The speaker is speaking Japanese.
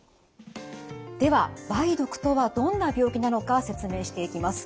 では梅毒とはどんな病気なのか説明していきます。